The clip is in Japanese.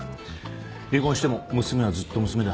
離婚しても娘はずっと娘だ。